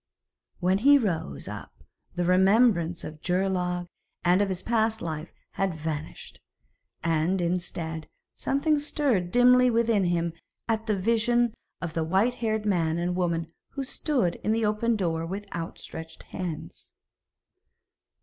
When he rose up the remembrance of Geirlaug and of his past life had vanished, and, instead, something stirred dimly within him at the vision of the white haired man and woman who stood in the open door with outstretched hands.